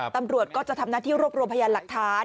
ตำรวจก็จะทำหน้าที่รวบรวมพยานหลักฐาน